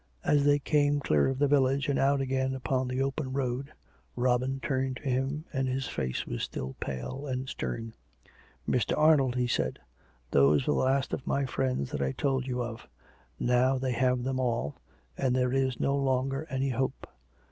As they came clear of the village and out again upon the open road, Robin turned to him, and his face was still pale and stern. " Mr. Arnold," he said, " those were the last of my friends that I told you of. Now they have them all, and there is no longer any hope.